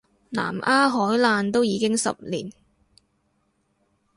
南丫海難都已經十年